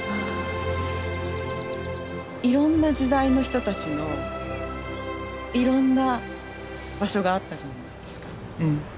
いろんな時代の人たちのいろんな場所があったじゃないですか。